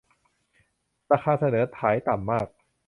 ราคาเสนอขายต่ำมาก